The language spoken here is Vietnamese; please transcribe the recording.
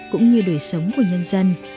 cũng như đổi sống của nhân dân